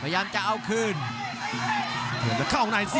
รับทราบบรรดาศักดิ์